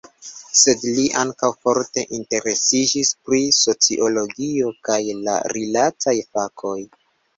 Sed li ankaŭ forte interesiĝis pri sociologio kaj la rilataj fakoj.